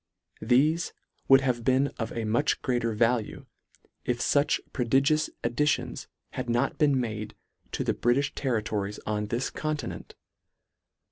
Thefe would have been of a much greater value, if fuch prodigious ad ditions had not been made to the Britiih ter ritories on this continent.